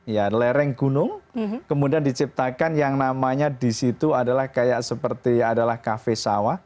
ya lereng gunung kemudian diciptakan yang namanya di situ adalah kayak seperti adalah kafe sawah